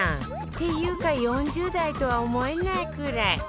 っていうか４０代とは思えないくらい